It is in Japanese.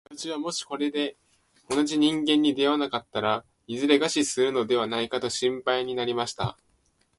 私はもしこれで同じ人間に出会わなかったら、いずれ餓死するのではないかと心配になりました。